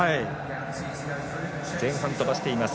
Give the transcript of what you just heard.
飛ばしています。